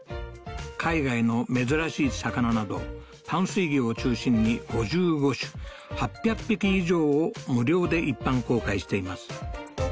海外の珍しい魚など淡水魚を中心に５５種８００匹以上を無料で一般公開しています